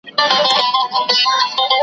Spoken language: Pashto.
نن مي شیخ د میخانې پر لاري ولید .